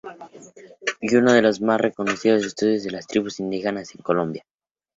Y uno de los más reconocidos estudiosos de las tribus indígenas en Colombia.